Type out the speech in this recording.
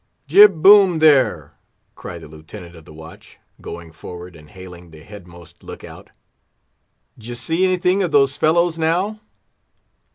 "Jib boom, there!" cried the Lieutenant of the Watch, going forward and hailing the headmost look out. "D'ye see anything of those fellows now?"